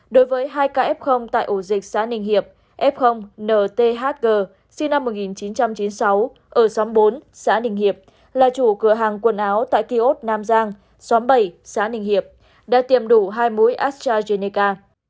đối với hai k tại ổ dịch xã ninh hiệp f nthg sinh năm một nghìn chín trăm chín mươi sáu ở xóm bốn xã ninh hiệp là chủ cửa hàng quần áo tại kiosk nam giang xóm bảy xã ninh hiệp đã tiềm đủ hai mũi astrazeneca